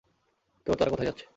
তো, তারা কোথায় যাচ্ছে?